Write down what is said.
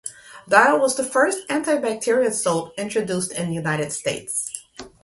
Dial was the first antibacterial soap introduced in the United States.